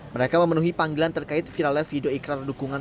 mereka memenuhi panggilan terkait viral live video ikran dukungan